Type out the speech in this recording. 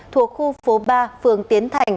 thuộc khu phố ba phường tiến thành